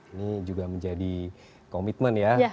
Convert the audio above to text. ini juga menjadi komitmen ya